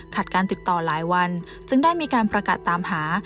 การติดต่อหลายวันจึงได้มีการประกาศตามหา